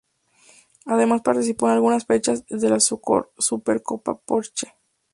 Además participó en algunas fechas de la Supercopa Porsche.